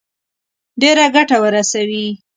ډېره ګټه ورسوي.